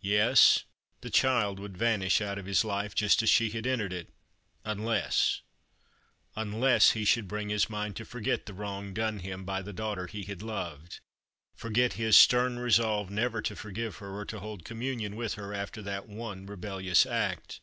Yes, the child would vanish out of his life — ^just as she had entered it — unless — unless he should bring his mind to forget the wrong done him by the daughter he had loved ; forget his stern resolve never to forgive her or to hold communion with her after that one rebellious act.